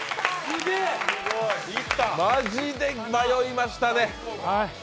マジで迷いましたね。